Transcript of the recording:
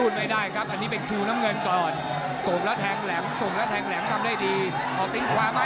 เขาเรียกว่ายอดมวยคุณภาพ